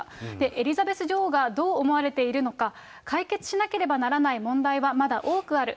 エリザベス女王がどう思われているか、解決しなければならない問題はまだ多くある。